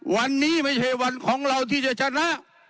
วันนี้ไม่ใช่วันของเราที่จะชนะ